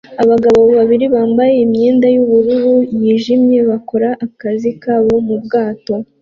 Abagabo babiri bambaye imyenda yubururu yijimye bakora akazi kabo mubwato